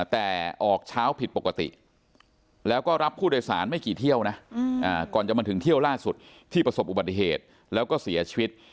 แต่ออกเช้าผิดปกติแล้วก็รับผู้โดยสารไม่กี่เที่ยวนะก่อนจะมาถึงเที่ยวล่าสุดที่ประสบอุบัติเหตุแล้วก็เสียชีวิต